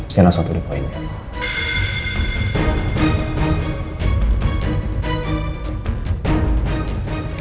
saya nangis waktu depan ini